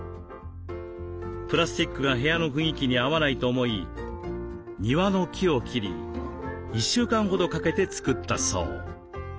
プラスチックが部屋の雰囲気に合わないと思い庭の木を切り１週間ほどかけて作ったそう。